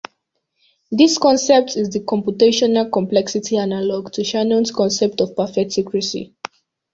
This concept is the computational complexity analogue to Shannon's concept of perfect secrecy.